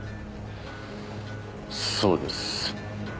そうです。